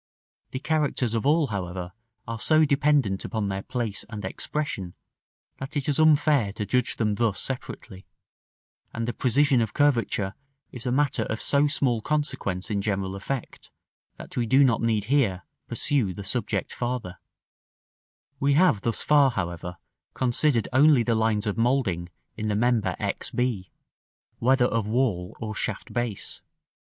The characters of all, however, are so dependent upon their place and expression, that it is unfair to judge them thus separately; and the precision of curvature is a matter of so small consequence in general effect, that we need not here pursue the subject farther. [Illustration: Fig. LIX.] § X. We have thus far, however, considered only the lines of moulding in the member X b, whether of wall or shaft base.